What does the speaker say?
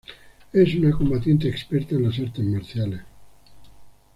Es una combatiente experta en las artes marciales.